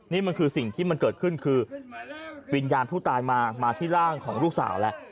นี่มันคือสิ่งที่มันเกิดขึ้นคือวิญญาณผู้ตายมามาที่ร่างของลูกสาวแล้ว